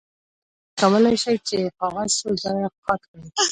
تاسو کولی شئ چې کاغذ څو ځایه قات کړئ.